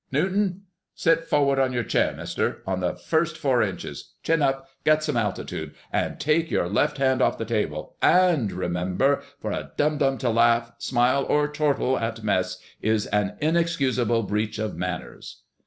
Newton? Sit forward on your chair, Mister—on the first four inches. Chin up, get some altitude. And take your left hand off the table. And remember—for a dum dum to laugh, smile or chortle at mess is an inexcusable breach of manners."